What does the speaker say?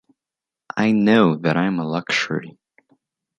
I know that I’m a luxury.